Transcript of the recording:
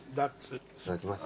いただきます。